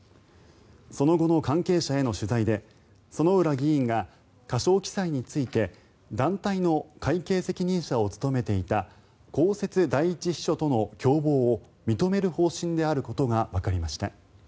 その後の関係者への取材で薗浦議員が過少記載について団体の会計責任者を務めていた公設第１秘書との共謀を認める方針であることがわかりました。